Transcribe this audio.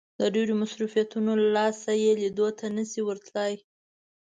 د ډېرو مصروفيتونو له لاسه يې ليدو ته نه شي ورتلای.